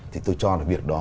thì tôi cho là việc đó